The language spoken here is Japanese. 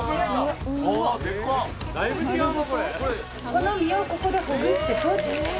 ・この身をここでほぐして取って。